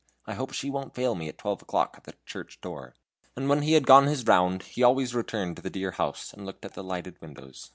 I hope she won't fail me at twelve o'clock at the church door." And when he had gone his round, he always returned to the dear house and looked up at the lighted windows.